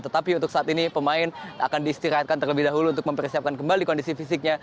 tetapi untuk saat ini pemain akan diistirahatkan terlebih dahulu untuk mempersiapkan kembali kondisi fisiknya